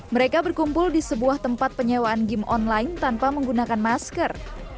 mereka berkumpul di sebuah tempat penyewaan game online tanpa menggunakan masker